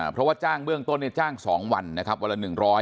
เพราะว่าจ้างเบื้องต้นในจ้าง๒วันนะครับวันละ๑๐๐